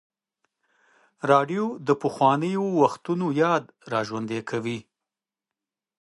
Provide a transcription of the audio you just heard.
راډیو د پخوانیو وختونو یاد راژوندی کوي.